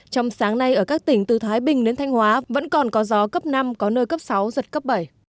trong sáng nay ở các tỉnh từ thái bình đến thanh hóa vẫn còn có gió cấp năm có nơi cấp sáu giật cấp bảy